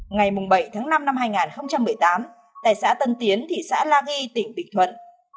ngày bảy tháng năm năm hai nghìn một mươi tám tại xã tân tiến thị xã la ghi tỉnh bình thuận